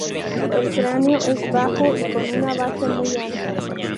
El cráneo es bajo y con una base muy ancha.